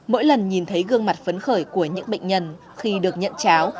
mỗi lần nhìn thấy gương mặt phấn khởi của những bệnh nhân khi được nhận cháo